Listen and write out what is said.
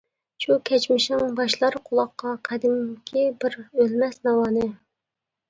شۇ كەچمىشىڭ باشلار قۇلاققا، قەدىمكى بىر ئۆلمەس ناۋانى.